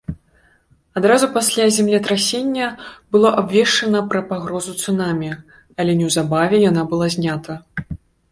Адразу пасля землетрасення было абвешчана пра пагрозу цунамі, але неўзабаве яна была знята.